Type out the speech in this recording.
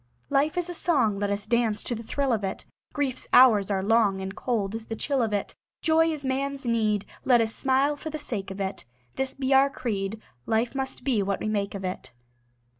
Life is a song; Let us dance to the thrill of it. Grief's hours are long, And cold is the chill of it. Joy is man's need; Let us smile for the sake of it. This be our creed: Life must be what we make of it.